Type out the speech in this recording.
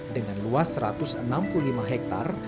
dengan luas satu ratus enam puluh lima hektare